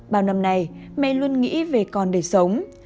bao năm nay mẹ luôn nghĩ về con đời sống